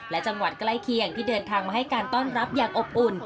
และจังหวัดใกล้เคียงที่เดินทางมาให้การต้อนรับอย่างอบอุ่น